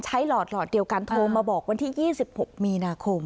หลอดเดียวกันโทรมาบอกวันที่๒๖มีนาคม